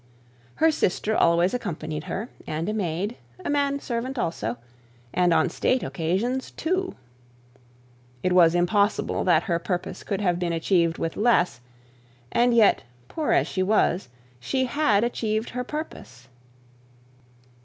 Her sister always accompanied her and a maid, a manservant also, and on state occasions, two. It was impossible that her purpose could have been achieved with less: and yet, poor as she was, she had achieved her purpose.